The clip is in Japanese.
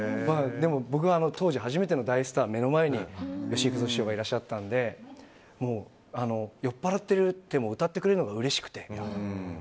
でも、僕は当時初めての大スター目の前に吉幾三師匠がいらっしゃったので酔っぱらってても歌ってくれるのがうれしくて。